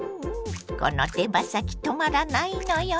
この手羽先止まらないのよね。